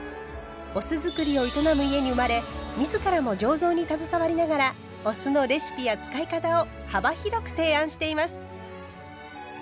お酢造りを営む家に生まれ自らも醸造に携わりながらお酢のレシピや使い方を幅広く提案しています。